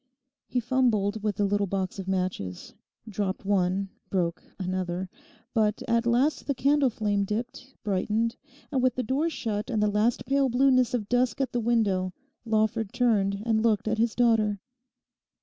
He fumbled with the little box of matches, dropped one, broke another; but at last the candle flame dipped, brightened, and with the door shut and the last pale blueness of dusk at the window Lawford turned and looked at his daughter.